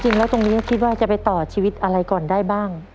จริงแล้วตรงนี้คิดว่าจะไปต่อชีวิตอะไรก่อนได้บ้าง